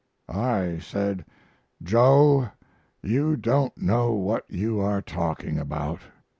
I said 'Joe, you don't know what you are talking about.